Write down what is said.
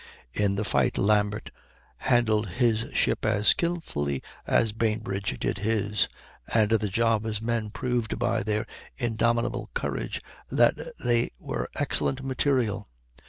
In the fight Lambert handled his ship as skilfully as Bainbridge did his; and the Java's men proved by their indomitable courage that they were excellent material.